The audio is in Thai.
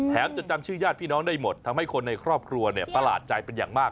จะจำชื่อญาติพี่น้องได้หมดทำให้คนในครอบครัวเนี่ยประหลาดใจเป็นอย่างมาก